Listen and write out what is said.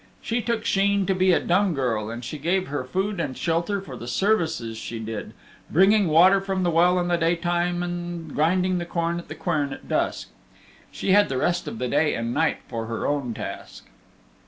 She took Sheen to be a dumb girl, and she gave her food and shelter for the services she did bringing water from the well in the daytime and grinding corn at the quern at dusk. She had the rest of the day and night for her own task.